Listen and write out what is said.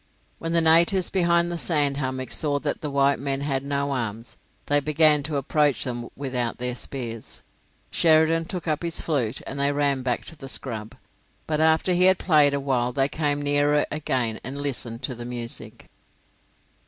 When the natives behind the sand hummock saw that the white men had no arms, they began to approach them without their spears. Sheridan took up his flute, and they ran back to the scrub, but after he had played a while they came nearer again and listened to the music.